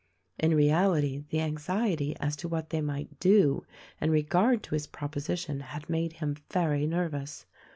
In reality the anxiety as to what they might do in regard to his proposition had made him very nervous.